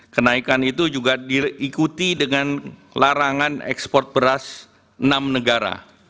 kenaikan itu juga diikuti dengan larangan ekspor beras enam negara